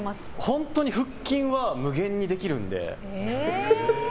本当に腹筋は無限にできるので。